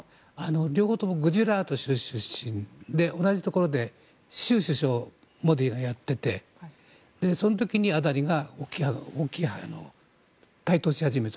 両方ともグジャラート州出身で同じところで州首相をモディがやっていてその時に、アダニが台頭し始めた。